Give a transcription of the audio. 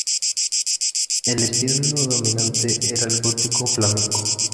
El estilo dominante era el gótico flamenco.